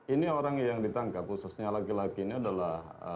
ini orang yang ditangkap khususnya laki laki ini adalah